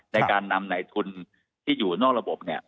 ในการนำในทุนที่อยู่นอกระบบเนี่ย